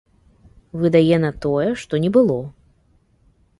Выдае на тое, што не было.